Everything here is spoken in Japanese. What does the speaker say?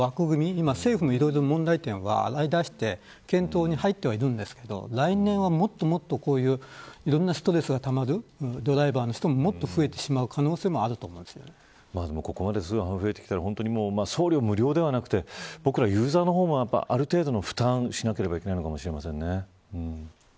今、政府もいろいろ問題点を洗い出して検討に入ってはいるんですけど来年はもっと、いろんなストレスがたまるドライバーの人ももっと増えてしまう可能性もここまで通販が増えてきたら送料無料ではなくて僕らユーザーの方もある程度の負担をしなくてはいけないのかもしれないですね。